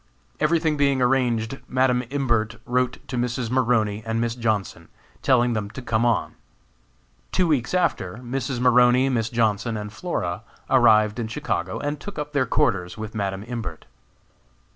Everything being arranged, Madam Imbert wrote to Mrs. Maroney and Miss Johnson, telling them to come on. Two weeks after, Mrs. Maroney, Miss Johnson, and Flora arrived in Chicago, and took up their quarters with Madam Imbert.